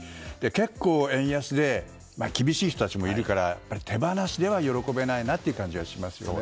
結構、円安で厳しい人たちもいるから手放しでは喜べないなという感じがしますね。